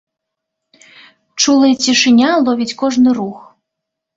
Чулая цішыня ловіць кожны рух.